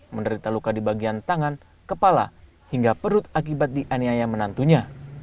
menderita luka di bagian tangan kepala hingga perut akibat dianiaya menantunya